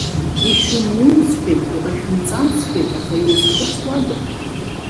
Ишәымун сҳәеит, иҟашәымҵан сҳәеит, аха иузхәыцуада?